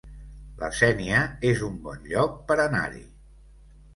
La Sénia es un bon lloc per anar-hi